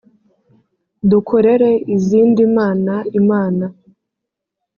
dukorere izindi mana imana